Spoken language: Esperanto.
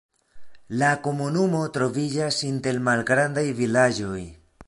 La komunumo troviĝas inter malgrandaj vilaĝoj.